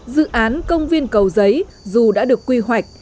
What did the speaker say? dự án công viên cầu giấy dù đã được quy hoạch